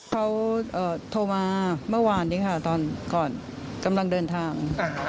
เขาโทรมาเหมือนก่อนกำลังเดินทาง